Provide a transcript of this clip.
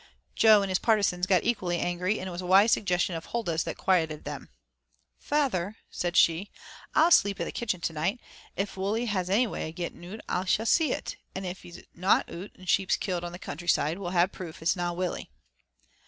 Jo and his partisans got equally angry, and it was a wise suggestion of Huldah's that quieted them. "Feyther," said she, "ah'll sleep i' the kitchen the night. If Wully 'as ae way of gettin' oot ah'll see it, an' if he's no oot an' sheep's killed on the country side, we'll ha' proof it's na Wully."